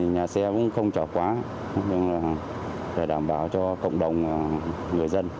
nhà xe cũng không chở quá đảm bảo cho cộng đồng người dân